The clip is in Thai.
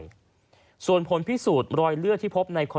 และถือเป็นเคสแรกที่ผู้หญิงและมีการทารุณกรรมสัตว์อย่างโหดเยี่ยมด้วยความชำนาญนะครับ